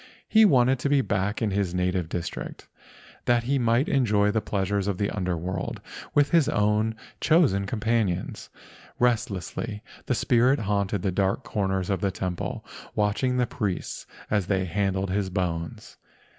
He wanted to be back in his native district, that he might enjoy the pleasures of the Under world with his own chosen companions. Restlessly the spirit haunted the dark corners of the temple, watching the priests as they handled his bones.